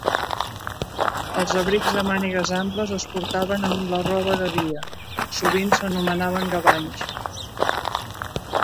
Els abrics de mànigues amples es portaven amb la roba de dia; sovint s'anomenaven "gavanys".